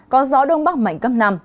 có gió đông bắc mạnh cấp năm